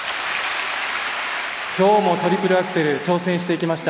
きょうもトリプルアクセル挑戦していきました。